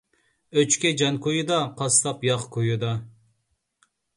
ئۆچكە جان كويىدا، قاسساپ ياغ كويىدا.